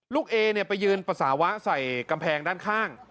ลูกเอเนี่ยไปยืนประสาวะใส่กำแพงด้านข้าง